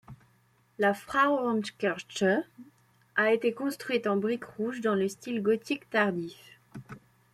La Frauenkirche a été construite en brique rouge dans le style gothique tardif.